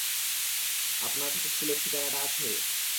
আপনার কাছে স্কুলের ঠিকানাটা আছে?